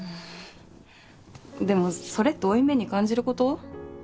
でもそれって負い目に感じること？